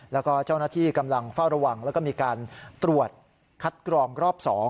แล้วก็เจ้าหน้าที่กำลังเฝ้าระวังแล้วก็มีการตรวจคัดกรองรอบ๒